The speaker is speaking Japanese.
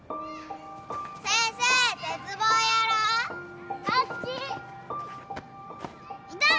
先生鉄棒やろうあっち痛い！